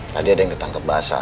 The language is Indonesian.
tadi ada yang ketangkep basah